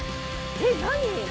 えっ何？